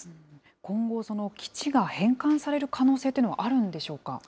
今後、基地が返還される可能性というのはあるんでしょうか。